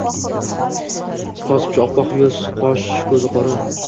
Kosibcha oppoq yuz, qosh-koʼzi qora.